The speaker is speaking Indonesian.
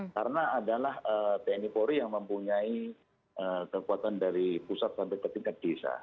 karena adalah tni polri yang mempunyai kekuatan dari pusat sampai ke tingkat desa